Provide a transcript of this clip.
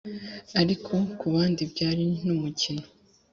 ariko ku bandi byari n’umukino